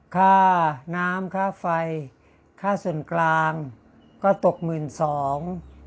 ค่าน้ำค่าไฟค่าส่วนกลางก็ตกหมื่นสอง